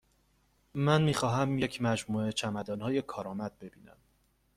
من می خواهم یک مجموعه چمدانهای کارآمد ببینم.